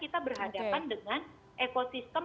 kita berhadapan dengan ekosistem